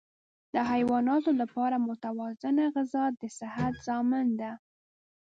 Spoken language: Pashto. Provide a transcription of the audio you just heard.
د حیواناتو لپاره متوازنه غذا د صحت ضامن ده.